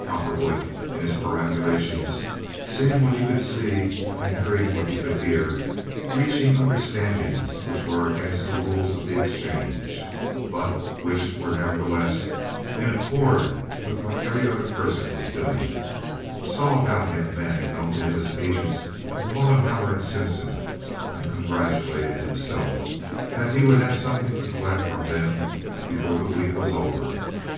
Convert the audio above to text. Cowperwood in his perambulations, seeing what he could see and hearing what he could hear, reaching understandings which were against the rules of the exchange, but which were nevertheless in accord with what every other person was doing, saw about him men known to him as agents of Mollenhauer and Simpson, and congratulated himself that he would have something to collect from them before the week was over.